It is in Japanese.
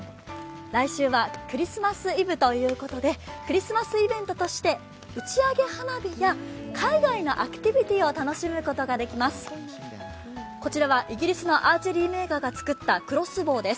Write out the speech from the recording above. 来週はクリスマスイブということで、クリスマスイベントとして打ち上げ花火や海外のアクティビティーを楽しむことができます。